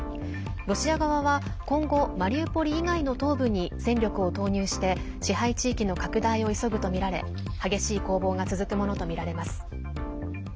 ロシア側は今後マリウポリ以外の東部に戦力を投入して支配地域の拡大を急ぐとみられ激しい攻防が続くものとみられます。